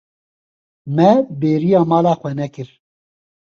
Me bêriya mala xwe nekir.